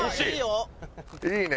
いいね！